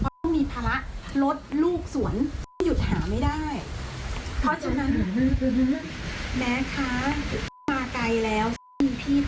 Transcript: รู้ปากสิ่งที่คุณทำลงไป